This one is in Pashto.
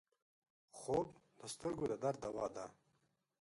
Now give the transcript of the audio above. خوب د سترګو د درد دوا ده